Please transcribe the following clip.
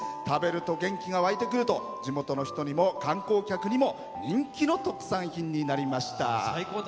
食べると元気が湧いてくると地元の人にも観光客にも人気の特産品になりました。